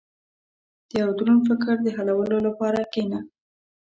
• د یو دروند فکر د حلولو لپاره کښېنه.